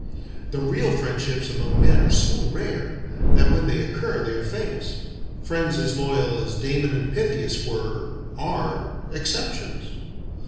The real friendships among men are so rare than when they occur they are famous. Friends as loyal as Damon and Pythias were, are exceptions.